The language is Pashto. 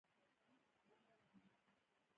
ښاغلي ايډېسن د ايډېسن ماشين په نامه يو توکی جوړ کړ.